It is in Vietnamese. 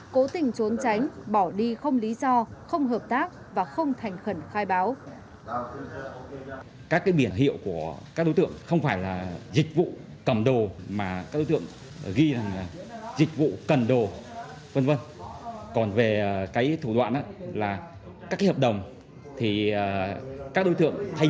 cố tình trốn tránh bỏ đi không lý do không hợp tác và không thành khẩn khai báo